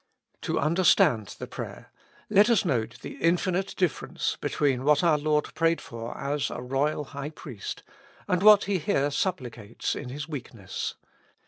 To understand the prayer, let us note the infinite difference between what our Lord prayed for as a Royal High Priest, and what He here supplicates in His weakness.